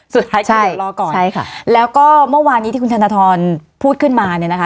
สุดท้ายตำรวจรอก่อนใช่ค่ะแล้วก็เมื่อวานนี้ที่คุณธนทรพูดขึ้นมาเนี่ยนะคะ